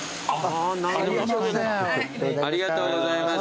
ありがとうございます。